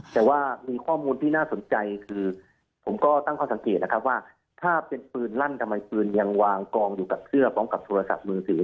แต่ว่ามีข้อมูลที่น่าสนใจคือผมก็ตั้งข้อสังเกตนะครับว่าถ้าเป็นปืนลั่นทำไมปืนยังวางกองอยู่กับเสื้อพร้อมกับโทรศัพท์มือถือ